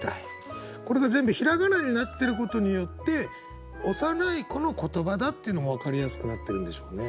これが全部ひらがなになってることによって幼い子の言葉だっていうのも分かりやすくなってるんでしょうね。